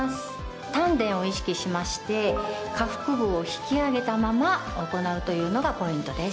丹田を意識しまして下腹部を引き上げたまま行うというのがポイントです。